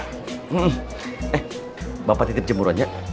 neng bapak titip jemurannya